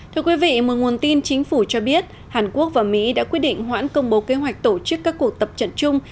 thưa quý vị một nguồn tin chính phủ cho biết hàn quốc và mỹ đã quyết định hoãn công bố kế hoạch tổ chức các cuộc tập trận chung